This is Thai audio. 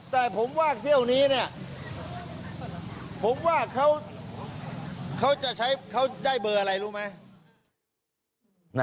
แต่ผมว่าที่ตรงนี้นะ